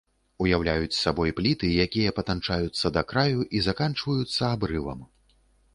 Уяўляюць сабой пліты, якія патанчаюцца да краю і заканчваюцца абрывам.